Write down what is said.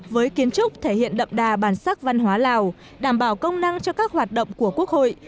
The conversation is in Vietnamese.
với kiến trúc thể hiện đậm đà bản sắc văn hóa lào đảm bảo công năng cho các hoạt động của quốc hội